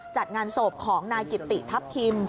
จัดงานศพของนายกิติทัพทิม